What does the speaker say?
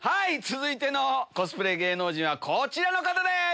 続いてのコスプレ芸能人はこちらの方です。